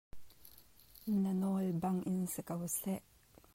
Na nawl bangin si ko seh.